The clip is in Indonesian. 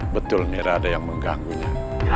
betul nera ada yang mengganggunya